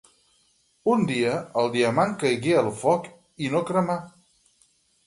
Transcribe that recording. Un dia, el diamant caigué al foc i no cremà.